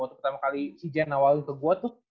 waktu pertama kali si jen awalin ke gue tuh